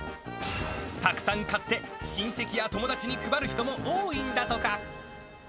たくさん買って、親戚や友達に配る人も多いんだとか。